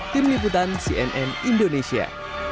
tim liputan cnn indonesia